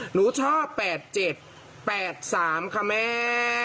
หนูชอบ๘๗๘๓ค่ะแม่